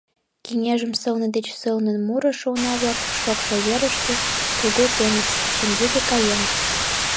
Кеҥежым сылне деч сылнын мурышо уна-влак шокшо верышке, кугу теҥыз шеҥгеке каеныт.